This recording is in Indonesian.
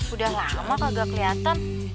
udah lama kagak keliatan